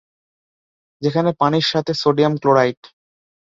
যেখানে পানির সাথে সোডিয়াম ক্লোরাইড।